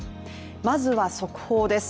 まずは速報です。